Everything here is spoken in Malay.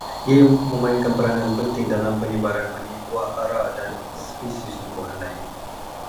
Ia memainkan peranan penting dalam penyebaran benih buah ara dan spesies tumbuhan lain